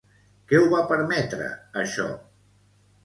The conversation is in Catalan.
Què ho va permetre, això?